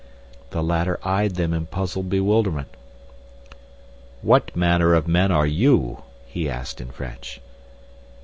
The latter eyed them in puzzled bewilderment. "What manner of men are you?" he asked, in French.